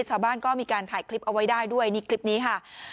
ชาวบ้านก็มีการถ่ายคลิปเอาไว้ได้ด้วยนี่คลิปนี้ค่ะ